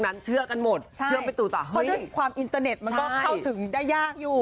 มันเข้าถึงได้ยากอยู่